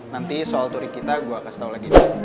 nanti soal turing kita gue kasih tau lagi